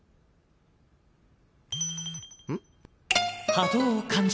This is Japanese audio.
ん？